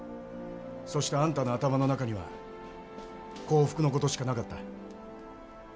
そしてあんたの頭の中には降伏の事しかなかった。